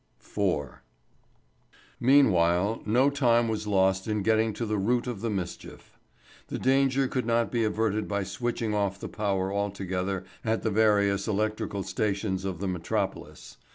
IV. Meanwhile no time was lost in getting to the root of the mischief. The danger could not be averted by switching off the power altogether at the various electrical stations of the metropolis.